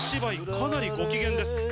かなりご機嫌です。